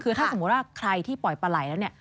คือถ้าสมมุติว่าใครที่ปล่อยปลาไหล่แล้วเนี่ย